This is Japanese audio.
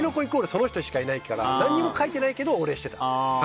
その人しかいないから何も書いてないけどお礼してた。